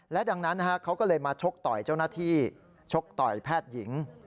ดังนั้นเขาก็เลยมาชกต่อยเจ้าหน้าที่ชกต่อยแพทย์หญิง